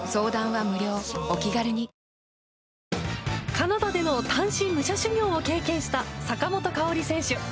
カナダでの単身武者修行を経験した、坂本花織選手。